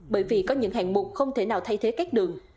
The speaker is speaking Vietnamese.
bởi vì có những hạng mục không thể nào thay thế các đường